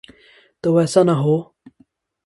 تو ایسا نہ ہو۔